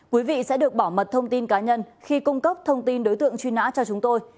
quý vị sẽ được bảo mật thông tin cá nhân khi cung cấp thông tin đối tượng truy nã cho chúng tôi